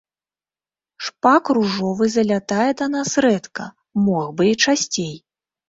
Шпак ружовы залятае да нас рэдка, мог бы і часцей.